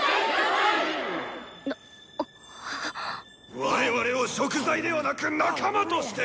「我々を食材ではなく仲魔として！」。